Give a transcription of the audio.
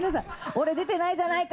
俺出てないじゃないか！